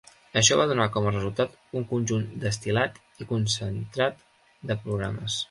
Això va donar com a resultat un conjunt destil·lat i concentrat de programes.